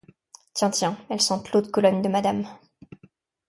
Tiens, tiens, elles sentent l’eau de Cologne de madame.